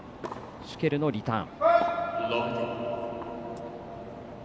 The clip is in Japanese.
シュケルのリターン。